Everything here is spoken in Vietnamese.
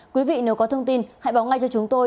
quý vị nếu có thông tin hãy báo ngay cho chúng tôi